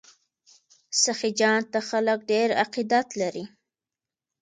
سخي جان ته خلک ډیر عقیدت لري.